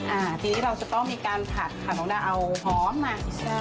อ่าทีนี้เราจะต้องมีการผัดค่ะเราจะเอาหอมมาใช่